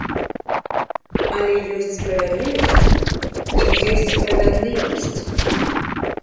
Але ёсць справядлівасць і ёсць справядлівасць.